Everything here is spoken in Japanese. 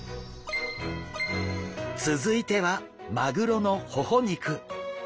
続いてはマグロのほほ肉。